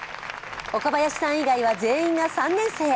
岡林さん以外は全員が３年生。